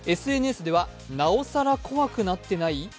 ＳＮＳでは、なおさら怖くなってない？